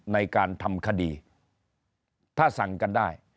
ในการทำคดีถ้าสั่งกันได้